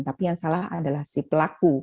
tapi yang salah adalah si pelaku